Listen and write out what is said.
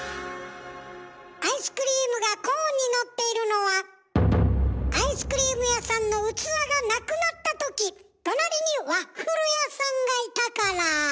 アイスクリームがコーンにのっているのはアイスクリーム屋さんの器がなくなったとき隣にワッフル屋さんがいたから。